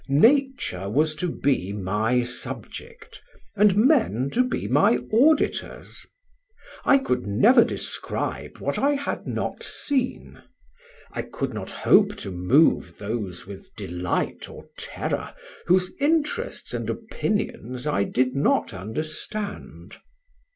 Nature was to be my subject, and men to be my auditors. I could never describe what I had not seen. I could not hope to move those with delight or terror whose interests and opinions I did not understand.